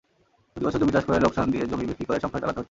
প্রতিবছর জমি চাষ করে লোকসান দিয়ে জমি বিক্রি করে সংসার চালাতে হচ্ছে।